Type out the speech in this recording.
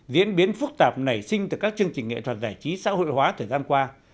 diễn biến phức tạp nảy sinh từ các chương trình nghệ thuật giải trí xã hội hóa thời gian qua